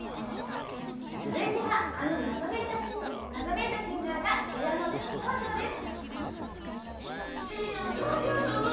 続いてはあの謎めいたシンガーが「シブヤノオト」初登場です。